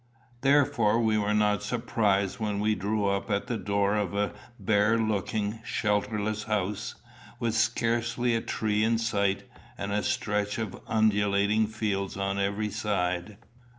Therefore we were not surprised when we drew up at the door of a bare looking, shelterless house, with scarcely a tree in sight, and a stretch of undulating fields on every side.